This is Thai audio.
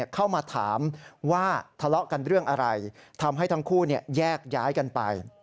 เข้ามาถามว่าทะเลาะกันเรื่องอะไรทำให้ทั้งคู่แยกย้ายกันไป